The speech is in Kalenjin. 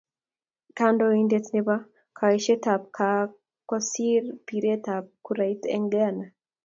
Kandoidet nebo kaeshoet kako siir pireet ap kurait eng ghana